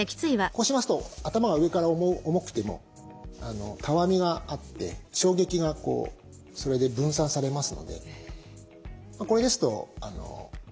こうしますと頭が上から重くてもたわみがあって衝撃がそれで分散されますのでこれですと負担が少ないわけなんですね。